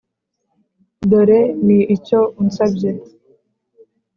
dore ni icyo unsabye